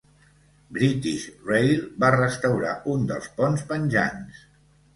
British Rail va restaurar un dels ponts penjants.